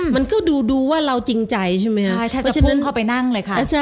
มันก็ดูว่าเราจริงใจใช่มั้ยคะก็จะพุ่งเข้าไปนั่งนะคะ